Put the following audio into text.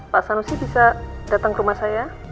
pak sanusi bisa datang ke rumah saya